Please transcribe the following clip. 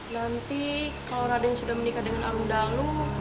nanti kalau raden sudah menikah dengan alun dalu